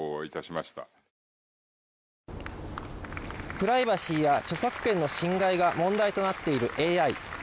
プライバシーや著作権の侵害が問題となっているＡＩ。